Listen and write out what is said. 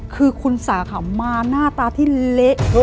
คือคุณสาขามาหน้าตาที่เละ